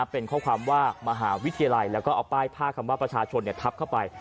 เป็นข้อความว่ามหาวิทยาลัยแล้วก็เอาป้ายผ้าคำว่าประชาชนทับเข้าไป